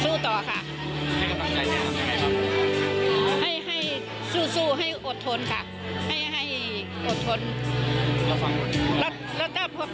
จะช่วยหนดหลังลูกลูกที่ล้านอยู่